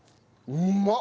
うまっ！